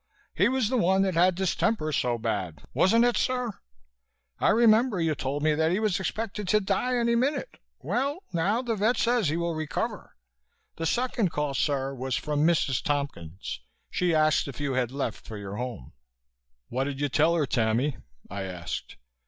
He was the one that had distemper so bad, wasn't it, sir? I remember you told me that he was expected to die any minute. Well, now, the vet says he will recover. The second call, sir, was from Mrs. Tompkins. She asked if you had left for your home." "What did you tell her, Tammy?" I asked.